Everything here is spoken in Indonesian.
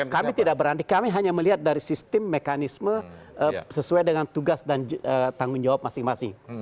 kami tidak berani kami hanya melihat dari sistem mekanisme sesuai dengan tugas dan tanggung jawab masing masing